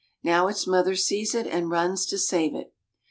Now its mother sees it and runs to save it.